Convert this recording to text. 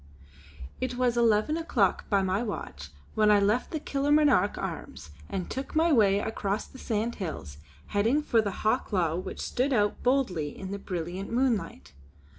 It was eleven o'clock by my watch when I left the Kilmarnock Arms and took my way across the sandhills, heading for the Hawklaw which stood out boldly in the brilliant moonlight.